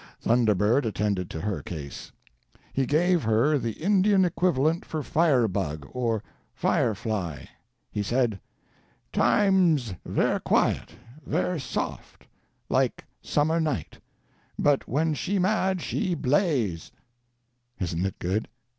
Thunder Bird attended to her case. He gave her the Indian equivalent for firebug, or fire fly. He said: "'Times, ver' quiet, ver' soft, like summer night, but when she mad she blaze." Isn't it good?